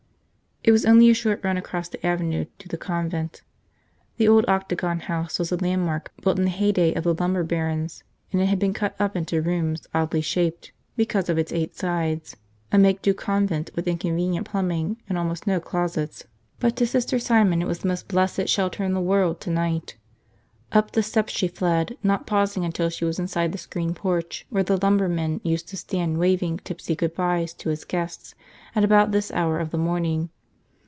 It was only a short run across the avenue to the convent. The old Octagon House was a landmark built in the heyday of the lumber barons and it had been cut up into rooms oddly shaped because of its eight sides, a make do convent with inconvenient plumbing and almost no closets. But to Sister Simon it was the most blessed shelter in the world tonight. Up the steps she fled, not pausing until she was inside the screened porch where the lumberman used to stand waving tipsy good byes to his guests at about this hour of the morning.